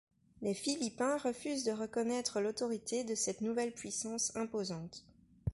Les Philippins refusent de reconnaître l’autorité de cette nouvelle puissance imposante.